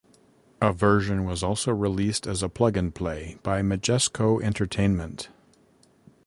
A version was also released as a plug and play by Majesco Entertainment.